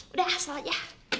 udah asal aja